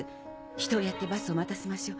人をやってバスを待たせましょう。